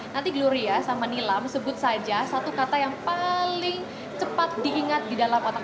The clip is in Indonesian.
nanti gloria sama nilam sebut saja satu kata yang paling cepat diingat di dalam otak